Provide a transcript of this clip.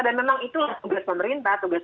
dan memang itu tugas pemerintah tugas